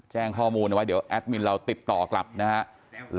แจ้งข้อมูลเอาไว้เดี๋ยวแอดมินเราติดต่อกลับนะครับ